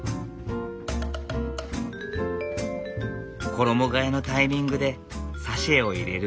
衣がえのタイミングでサシェを入れる。